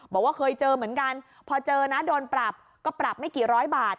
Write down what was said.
บอกว่าเคยเจอเหมือนกันพอเจอนะโดนปรับก็ปรับไม่กี่ร้อยบาท